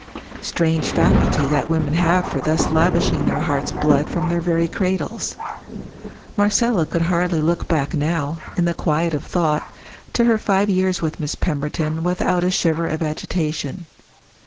Strange faculty that women have for thus lavishing their heart's blood from their very cradles! Marcella could hardly look back now, in the quiet of thought, to her five years with Miss Pemberton without a shiver of agitation.